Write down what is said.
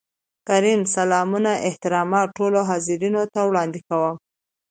کريم : سلامونه احترامات ټولو حاضرينو ته وړاندې کوم.